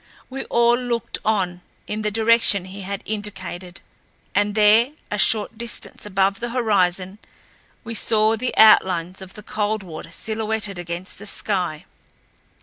We all looked on in the direction he had indicated, and there, a short distance above the horizon, we saw the outlines of the Coldwater silhouetted against the sky.